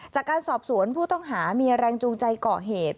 จากการสอบสวนผู้ต้องหามีแรงจูงใจก่อเหตุ